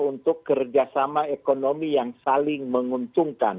untuk kerjasama ekonomi yang saling menguntungkan